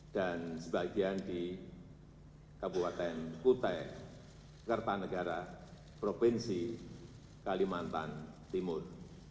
dan sebagian di kabupaten kutai kertanegara provinsi kalimantan timur